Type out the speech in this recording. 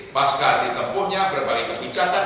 pasca ditempuhnya berbagai kebijakan